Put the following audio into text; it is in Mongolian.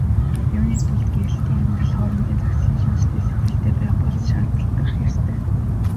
Юуны тулд гэрлэлтийн амьдрал нь хоорондын зохицлын шинжтэй сэтгэлтэй байх болзол шаардагдах ёстой.